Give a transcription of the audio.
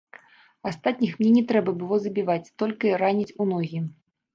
Астатніх мне не трэба было забіваць, толькі раніць ў ногі.